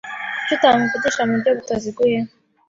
Kuki utamuvugisha muburyo butaziguye?